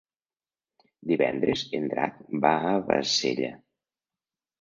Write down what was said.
Divendres en Drac va a Bassella.